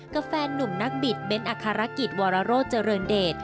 แฟนนุ่มนักบิดเบ้นอัครกิจวรโรธเจริญเดช